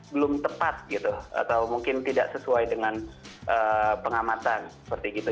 belum tepat gitu atau mungkin tidak sesuai dengan pengamatan seperti gitu